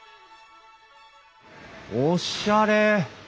おっしゃれ。